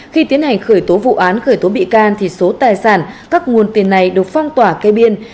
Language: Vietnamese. khởi tố vụ án khởi tố bị can thì số tài sản các nguồn tiền này được phong tỏa cây biên